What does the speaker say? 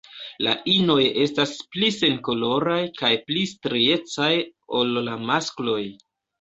La inoj estas pli senkoloraj kaj pli striecaj ol la maskloj.